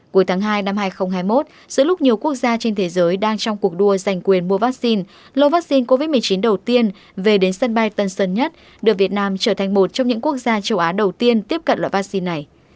cuối tháng hai năm hai nghìn hai mươi một giữa lúc nhiều quốc gia trên thế giới đang trong cuộc đua giành quyền mua vaccine lô vaccine covid một mươi chín đầu tiên về đến sân bay tân sơn nhất đưa việt nam trở thành một trong những quốc gia châu á đầu tiên tiếp cận loại vaccine này